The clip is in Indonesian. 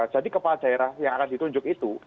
jadi kepala daerah yang akan ditunjuk itu